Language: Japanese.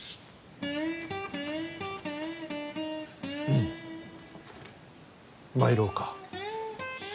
うん、参ろうか。